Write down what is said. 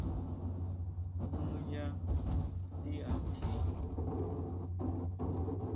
¿Nuyá tiʼatji?